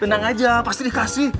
tenang aja pasti dikasih